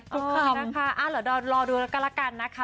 ขอบคุณค่ะรอดูแล้วก็ละกันนะคะ